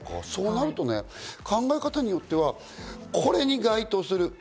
そうなると考え方によってはこれに該当する。